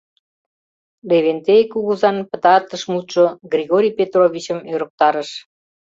Левентей кугызан пытартыш мутшо Григорий Петровичым ӧрыктарыш.